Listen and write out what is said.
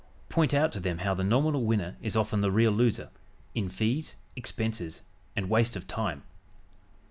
Point out to them how the nominal winner is often the real loser in fees, expenses and waste of time.